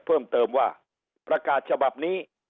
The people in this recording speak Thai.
เพิ่มเติมว่าประกาศฉบับนี้